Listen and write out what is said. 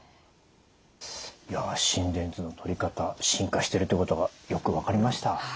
いや心電図のとり方進化してるということがよく分かりました。